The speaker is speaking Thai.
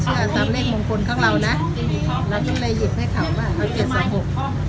เชื่อตามเลขมงคลของเรานะแล้วที่นายหยิบให้เขาว่า